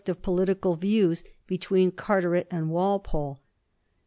of political views between Carteret and Walpole.